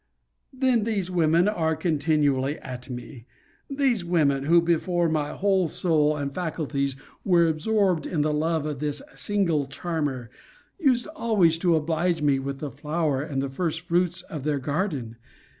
Then these women are continually at me. These women, who, before my whole soul and faculties were absorbed in the love of this single charmer, used always to oblige me with the flower and first fruits of their garden!